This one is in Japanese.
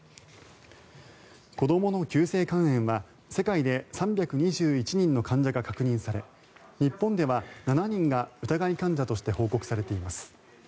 子どもの急性肝炎は世界で３２１人の患者が確認され日本では７人が疑い患者として報告されています。